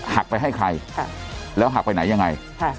หักไปให้ใครแล้วหักไปไหนยังไง